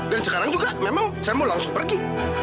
dan sekarang juga memang saya mau langsung pergi